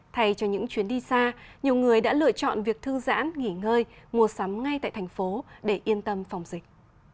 thay cho những chuyến đi xa nhiều người đã lựa chọn việc thư giãn nghỉ ngơi mua sắm ngay tại thành phố để yên tâm phòng dịch